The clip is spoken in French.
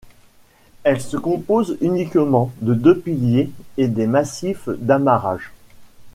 Elle se compose uniquement de deux piliers et des massifs d'amarrage.